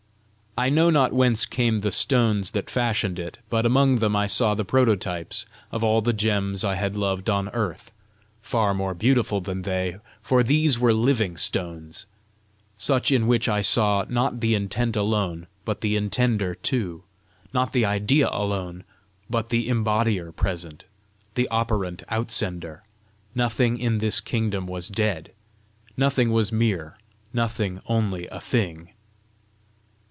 I know not whence came the stones that fashioned it, but among them I saw the prototypes of all the gems I had loved on earth far more beautiful than they, for these were living stones such in which I saw, not the intent alone, but the intender too; not the idea alone, but the imbodier present, the operant outsender: nothing in this kingdom was dead; nothing was mere; nothing only a thing.